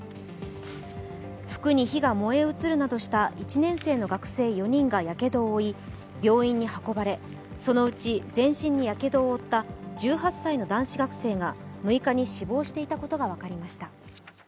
服に火が燃え移るなどした１年生の学生４人がやけどを負い、病院に運ばれ、そのうち全身にやけどを負った１８歳の男子学生が６日に死亡していたことが分かりました。